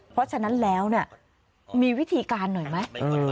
เพราะฉะนั้นแล้วเนี่ยมีวิธีการหน่อยไหม